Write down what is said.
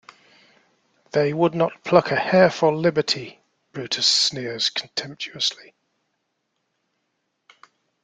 "They would not pluck a hair for liberty," Brutus sneers contemptuously.